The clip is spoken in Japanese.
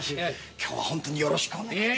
今日はホントによろしくお願いいたします。